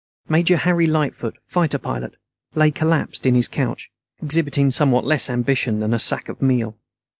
Major Harry Lightfoot, fighter pilot, lay collapsed in his couch, exhibiting somewhat less ambition than a sack of meal.